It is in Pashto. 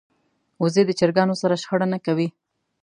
وزې د چرګانو سره شخړه نه کوي